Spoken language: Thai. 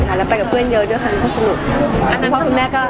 ที่ปลุกลุกไปได้ใช่ไหมคะ